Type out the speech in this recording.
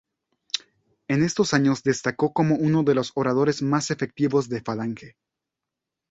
En estos años destacó como uno de los oradores más efectivos de Falange.